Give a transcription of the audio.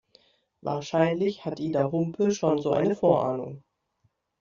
Wahrscheinlich hat Ida Humpe schon so eine Vorahnung.